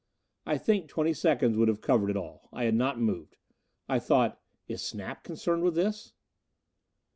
I think twenty seconds would have covered it all. I had not moved. I thought, "Is Snap concerned with this?"